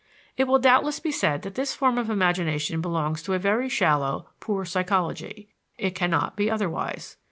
It will doubtless be said that this form of imagination belongs to a very shallow, poor psychology. It cannot be otherwise.